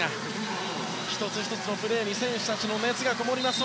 １つ１つのプレーに選手たちの熱がこもります